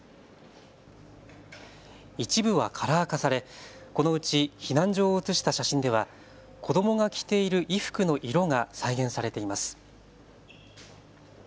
一部はカラー化され、このうち避難所を写した写真では子どもが着ている衣服の色が再現されています。